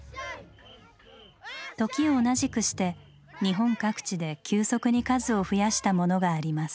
時を同じくして日本各地で急速に数を増やしたものがあります。